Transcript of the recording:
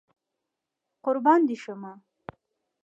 قربان دي شمه